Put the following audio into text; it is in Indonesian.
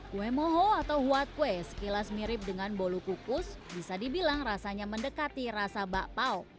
kue moho atau huat kue sekilas mirip dengan bolu kukus bisa dibilang rasanya mendekati rasa bakpao